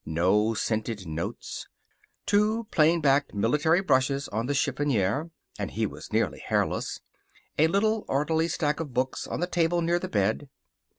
No scented notes. Two plain backed military brushes on the chiffonier (and he so nearly hairless!). A little orderly stack of books on the table near the bed.